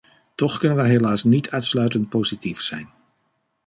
Toch kunnen wij helaas niet uitsluitend positief zijn.